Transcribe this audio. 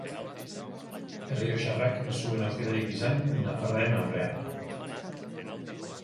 Errioxarrak ez zuen aukerarik izan nafarraren aurrean.